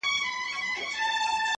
تاسو په درد مه كوئ؛